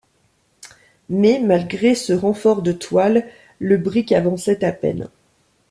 Mais, malgré ce renfort de toiles, le brick avançait à peine.